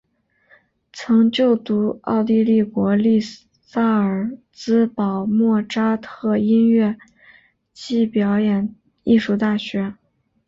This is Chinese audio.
曾就读奥地利国立萨尔兹堡莫札特音乐暨表演艺术大学。